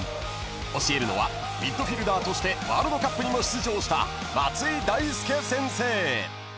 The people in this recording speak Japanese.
［教えるのはミッドフィルダーとしてワールドカップにも出場した松井大輔先生］